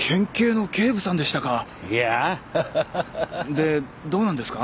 でどうなんですか？